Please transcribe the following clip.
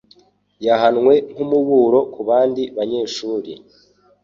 Yahanwe nkumuburo kubandi banyeshuri.